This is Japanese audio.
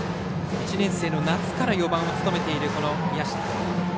１年生の夏から４番を務めている宮下。